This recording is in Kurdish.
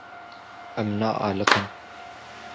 Em naaliqin.